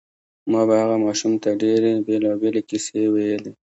ما به هغه ماشوم ته ډېرې بېلابېلې کیسې ویلې